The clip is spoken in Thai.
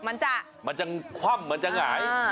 มันจะมันจะคว่ำมันจะหงาย